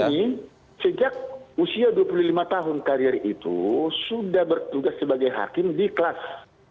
jadi sejak usia dua puluh lima tahun karir itu sudah bertugas sebagai hakim di kelas